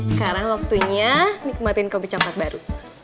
sekarang waktunya nikmatin kopi compat baru